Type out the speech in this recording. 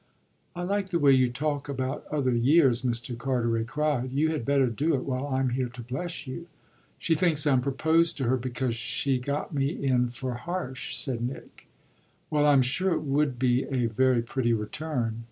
"I like the way you talk about other years!" Mr. Carteret cried. "You had better do it while I'm here to bless you." "She thinks I proposed to her because she got me in for Harsh," said Nick. "Well, I'm sure it would be a very pretty return."